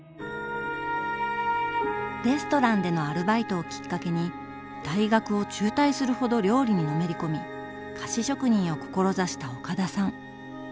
レストランでのアルバイトをきっかけに大学を中退するほど料理にのめり込み菓子職人を志した岡田さん。